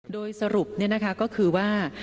โดยสรุปเนี่ยนะคะก็คือว่า